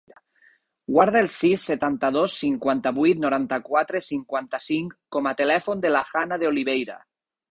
Guarda el sis, setanta-dos, cinquanta-vuit, noranta-quatre, cinquanta-cinc com a telèfon de la Hannah De Oliveira.